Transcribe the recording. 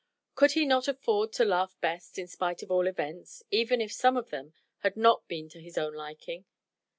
Could he not afford to laugh best, in spite of all events, even if some of them had not been to his own liking?